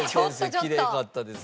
きれいかったです。